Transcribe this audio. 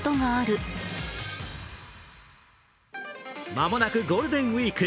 間もなくゴールデンウイーク。